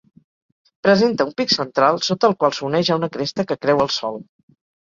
Presenta un pic central, sota el qual s'uneix a una cresta que creua el sòl.